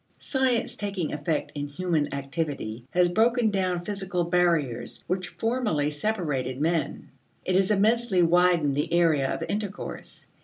Science taking effect in human activity has broken down physical barriers which formerly separated men; it has immensely widened the area of intercourse.